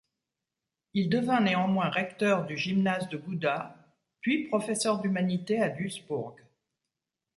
Il devint néanmoins recteur du gymnase de Gouda, puis professeur d'humanités à Duisbourg.